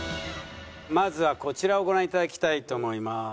まずはこちらをご覧いただきたいと思います。